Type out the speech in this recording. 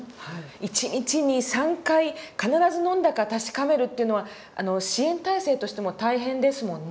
一日に３回必ず飲んだか確かめるっていうのは支援体制としても大変ですもんね。